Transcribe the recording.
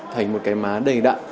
thành một cái má đầy đặn